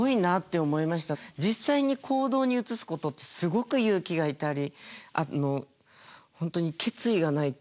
実際に行動に移すことってすごく勇気がいったりあの本当に決意がないと。